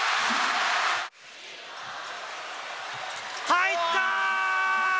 入った！